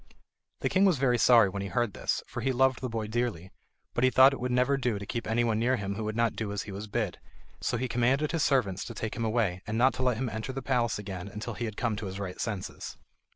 The king was very sorry when he heard this, for he loved the boy dearly; but he thought it would never do to keep anyone near him who would not do as he was bid. So he commanded his servants to take him away and not to let him enter the palace again until he had come to his right senses.